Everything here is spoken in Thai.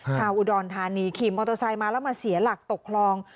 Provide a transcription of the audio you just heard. ชาวอุดรธานีขี่มอเตอร์ไซค์มาแล้วมาเสียหลักตกคลอง